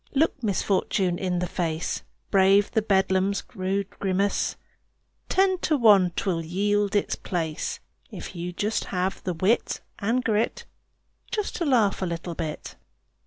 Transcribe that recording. Look misfortune in the face. Brave the beldam's rude grimace; Ten to one 'twill yield its place, If you have the wit and grit Just to laugh a little bit.